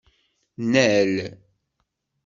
Nnal.